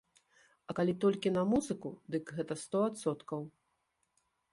А калі толькі на музыку, дык гэта сто адсоткаў.